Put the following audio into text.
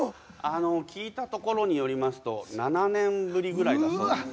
あの聞いたところによりますと７年ぶりぐらいだそうです。